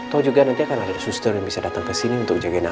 tau juga nanti akan ada suster yang bisa datang kesini untuk jagain abi